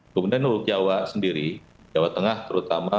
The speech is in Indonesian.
kemudian untuk jawa sendiri jawa tengah terutama